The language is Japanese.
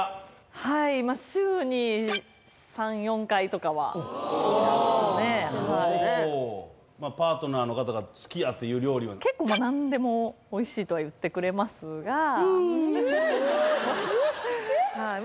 はいまあ週に３４回とかはおおはいパートナーの方が好きやという料理は結構何でも「おいしい」とは言ってくれますがフーッ！